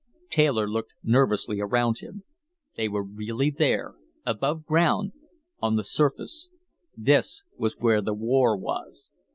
Taylor looked nervously around him. They were really there, above ground, on the surface. This was where the war was.